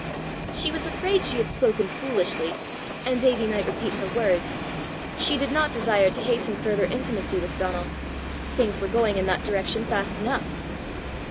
She was afraid she had spoken foolishly, and Davie might repeat her words: she did not desire to hasten further intimacy with Donal; things were going in that direction fast enough!